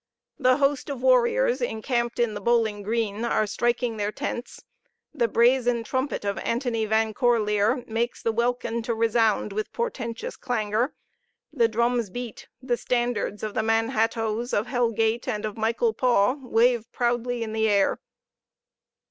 The host of warriors encamped in the Bowling Green are striking their tents; the brazen trumpet of Antony Van Corlear makes the welkin to resound with portentous clangour the drums beat the standards of the Manhattoes, of Hell gate, and of Michael Paw wave proudly in the air.